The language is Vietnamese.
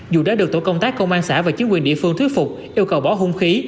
dù đã được tổ công tác công an xã và chính quyền địa phương thuyết phục yêu cầu bỏ hung khí